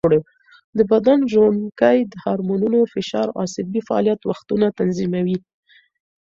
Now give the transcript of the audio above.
د بدن ژوڼکې د هارمونونو، فشار او عصبي فعالیت وختونه تنظیموي.